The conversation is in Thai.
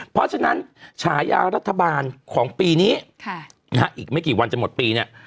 เพราะฉะนั้นฉายารัฐบาลของปีนี้อีกไม่กี่วันจะหมดปีเนี่ย